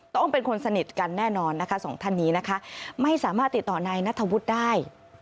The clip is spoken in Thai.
ต้องเป็นคนสนิทกันแน่นอนนะคะสองท่านนี้นะคะไม่สามารถติดต่อนายนัทธวุฒิได้